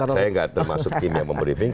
saya nggak termasuk tim yang memberi briefing